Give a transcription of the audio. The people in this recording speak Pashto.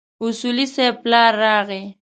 اصولي صیب پلار راغی.